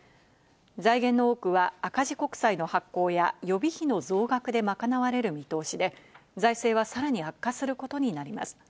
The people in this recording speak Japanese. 財源の多くは赤字国債の発行や予備費の増額でまかなわれる見通しで、財政はさらに悪化することになります。